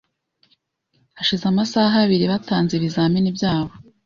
Hashize amasaha abiri batanze ibizamini byabo